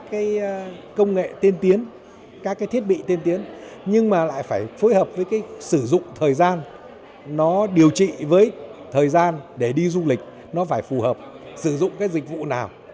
các cái công nghệ tiên tiến các cái thiết bị tiên tiến nhưng mà lại phải phối hợp với cái sử dụng thời gian nó điều trị với thời gian để đi du lịch nó phải phù hợp sử dụng cái dịch vụ nào